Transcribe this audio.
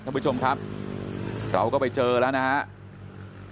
ท่านผู้ชมครับเราก็ไปเจอแล้วนะครับ